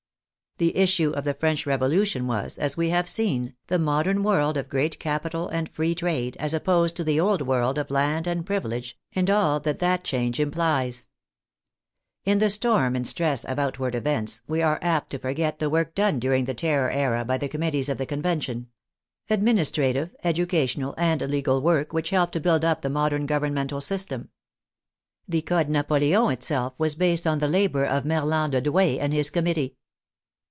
The issue of the French Revolution was, as we have seen, the modern world of great capital and free trade, as opposed to the old world of land and privilege and all that that change implies. In the storm and stress of out ward events, we are apt to forget the work done during the Terror era by the committees of the Convention — administrative, educational, and legal work, which helped to build up the modern governmental system. The " Code Napoleon " itself was based on the labor of Mer lin de Douai and his committee.